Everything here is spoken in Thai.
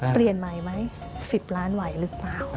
เปลี่ยนใหม่ไหม๑๐ล้านไหวหรือเปล่า